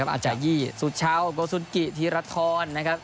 อาจจะยี่สุช้าวกุศุนกิเทียฬะทอน